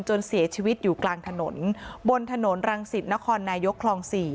จนเสียชีวิตอยู่กลางถนนบนถนนรังสิตนครนายกคลอง๔